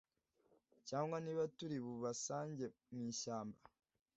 cyangwa niba turi bubasange mu ishyamba